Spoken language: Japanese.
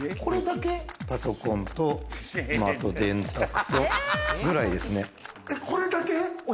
パソコンと電卓とぐらいですね。